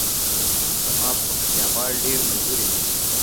زما پکتیاوال ډیر ملګری دی